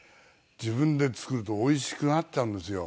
自分で作るとおいしくなっちゃうんですよ。